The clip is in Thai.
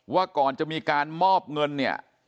ว่าก่อนจะมีการมอบเงินเนี่ย